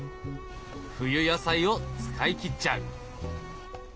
冬野菜を使い切っちゃう。